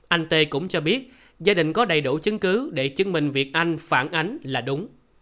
anh tê cũng cho biết gia đình có đầy đủ chứng cứ để chứng minh việc anh phản ánh là đúng